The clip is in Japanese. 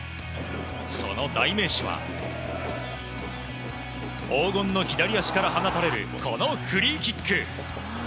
その代名詞は、黄金の左足から放たれるこのフリーキック。